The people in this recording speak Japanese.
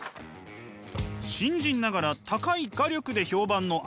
新人ながら高い画力で評判の足立さん。